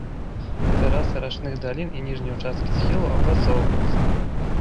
Тэрасы рачных далін і ніжнія ўчасткі схілаў апрацоўваюцца.